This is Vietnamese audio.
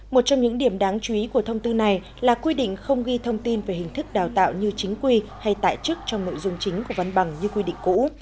một trong những điểm đáng chú ý của thông tư này là quy định không ghi thông tin về hình thức đào tạo như chính quy hay tại chức trong nội dung chính của văn bằng như quy định cũ